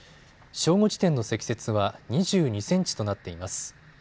正午時点の積雪は２２センチとなっています。